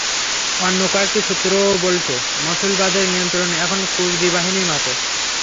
অন্য কয়েকটি সূত্রও বলছে, মসুল বাঁধের নিয়ন্ত্রণ এখন কুর্দি বাহিনীর হাতে।